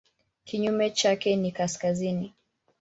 Kinyume chake ni kaskazini.